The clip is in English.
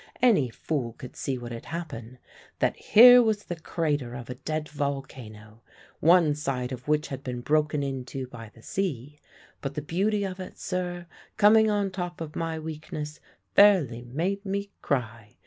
Any fool could see what had happened that here was the crater of a dead volcano, one side of which had been broken into by the sea; but the beauty of it, sir, coming on top of my weakness, fairly made me cry.